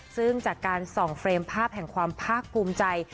ซึ่งจากการส่องเฟรมภาพแห่งความภาคภูมิใจ